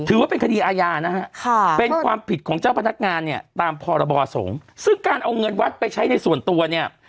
ถือว่าเป็นคดีอาญานะฮะค่ะเป็นความผิดของเจ้าพนักงานเนี่ยตามพรบสงฆ์ซึ่งการเอาเงินวัดไปใช้ในส่วนตัวเนี่ย